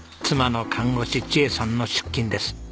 妻の看護師千恵さんの出勤です。